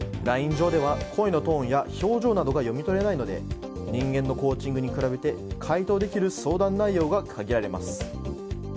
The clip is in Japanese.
上では声のトーンや表情などが読み取れないので人間のコーチングに比べて回答できる相談内容が限られます。